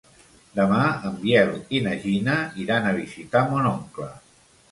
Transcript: Demà en Biel i na Gina iran a visitar mon oncle.